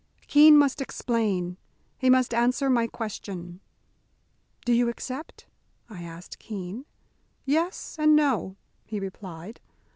"Keene must explain. He must answer my question." "Do you accept?" I asked Keene. "Yes and no!" he replied.